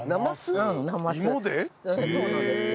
そうなんですよ。